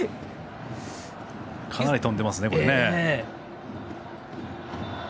かなり飛んでますね。